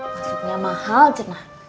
masuknya mahal cetna